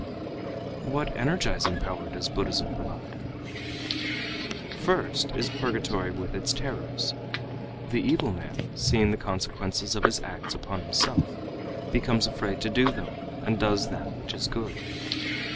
"What energizing power does Buddhism provide?" "First, is purgatory with its terrors. The evil man, seeing the consequences of his acts upon himself, becomes afraid to do them and does that which is good.